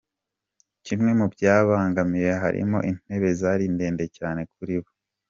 Kimwe mu byababangamiye harimo intebe zari ndende cyane kuri bo.